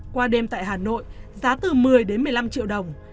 qua đêm tại hà nội giá từ một mươi một mươi năm triệu đồng